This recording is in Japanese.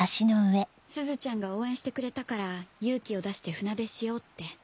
すずちゃんが応援してくれたから勇気を出して船出しようって。